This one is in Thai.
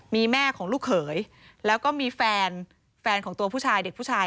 มีแม่ของลูกเขยแล้วก็มีแฟนแฟนของตัวผู้ชายเด็กผู้ชาย